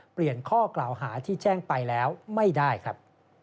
ข้อกล่าวหาที่แจ้งไปแล้วไม่ได้ครับ